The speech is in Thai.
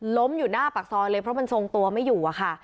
ล้มอยู่หน้าปากซอยเลยเพราะมันทรงตัวไม่อยู่อะค่ะ